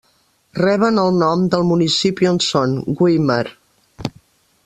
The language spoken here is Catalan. Reben el nom del municipi on són, Güímar.